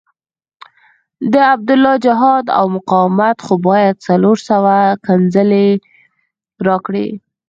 د عبدالله جهاد او مقاومت خو باید څلور سوه ښکنځلې راکړي.